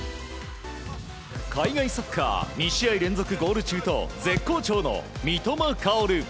海外サッカー２試合連続ゴール中と絶好調の三笘薫。